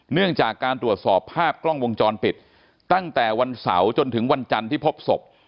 เนื่องจากการตรวจสอบภาพกล้องวงจรปิดตั้งแต่วันเสาร์จนถึงวันจันทร์ที่พบศพ